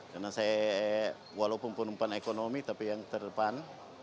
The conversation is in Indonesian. karena saya walaupun penumpang ekonomi tapi yang terdepan